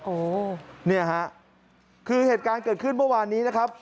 โอ้เนี่ยฮะคือเหตุการณ์เกิดขึ้นเมื่อวานนี้นะครับ